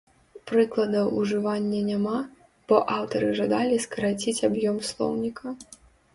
Прыкладаў ўжывання няма, бо аўтары жадалі скараціць аб'ём слоўніка.